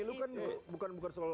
itu pak jokowi kan bukan soal